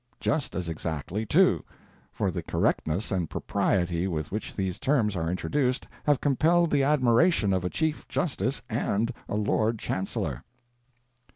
Just as exactly, too; for the correctness and propriety with which these terms are introduced have compelled the admiration of a Chief Justice and a Lord Chancellor."